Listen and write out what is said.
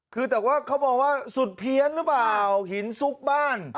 คือแต่ว่าเขามองว่าสุดเพี้ยนหรือเปล่าหินซุกบ้าน